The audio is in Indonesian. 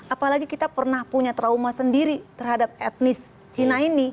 apalagi kita pernah punya trauma sendiri terhadap etnis cina ini